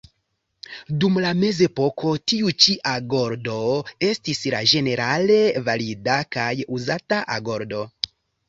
Dum la mezepoko tiu ĉi agordo estis la ĝenerale valida kaj uzata agordo.